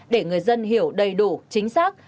để người dân hiểu đầy đủ chính xác